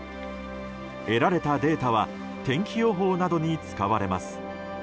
得られたデータは天気予報などに使われます。